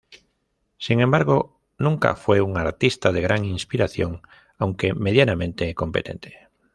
Sin embargo, nunca fue un artista de gran inspiración, aunque medianamente competente.